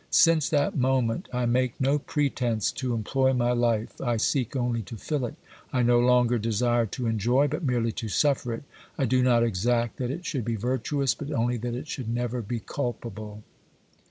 Since that moment I make no pretence to employ my life, I seek only to fill it 3 I no longer desire to enjoy, but merely to suffer it. I do not exact that it should be virtuous, but only that it should never be culpable.